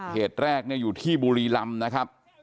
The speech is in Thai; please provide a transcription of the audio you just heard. เหตุแรกอยู่ที่บุรีรำนะครับ